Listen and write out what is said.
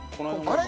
あれ？